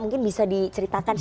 mungkin bisa diceritakan sedikit